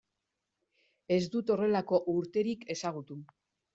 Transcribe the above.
Ez dut horrelako urterik ezagutu.